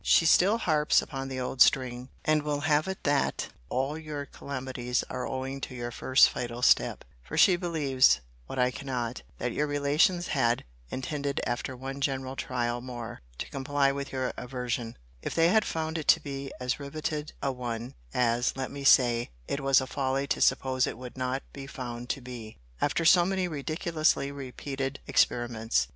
She still harps upon the old string, and will have it that all your calamities are owing to your first fatal step; for she believes, (what I cannot,) that your relations had intended after one general trial more, to comply with your aversion, if they had found it to be as riveted a one, as, let me say, it was a folly to suppose it would not be found to be, after so many ridiculously repeated experiments.